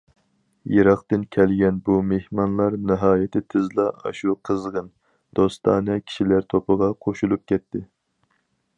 يىراقتىن كەلگەن بۇ مېھمانلار ناھايىتى تېزلا ئاشۇ قىزغىن، دوستانە كىشىلەر توپىغا قوشۇلۇپ كەتتى.